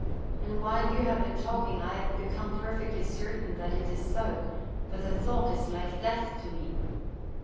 And while you have been talking I have become perfectly certain that it is so; but the thought is like death to me."